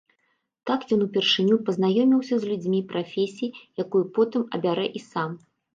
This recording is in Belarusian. Так ён упершыню пазнаёміўся з людзьмі прафесіі, якую потым абярэ і сам.